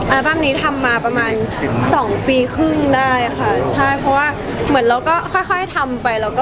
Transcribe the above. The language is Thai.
อัลบั้มนี้ทำมาประมาณ๒ปีครึ่งได้ค่ะใช่เพราะว่าเหมือนเราก็ค่อยทำไป